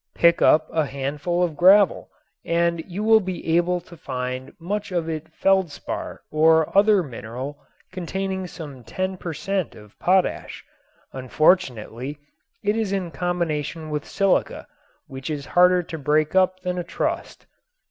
Pick up a handful of gravel and you will be able to find much of it feldspar or other mineral containing some ten per cent. of potash. Unfortunately it is in combination with silica, which is harder to break up than a trust.